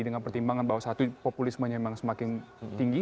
dengan pertimbangan bahwa satu populismenya memang semakin tinggi